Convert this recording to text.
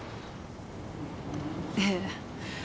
ええ。